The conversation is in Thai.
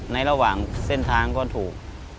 ระหว่างเส้นทางก็ถูก